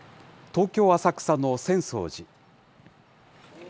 東京・浅草の浅草寺。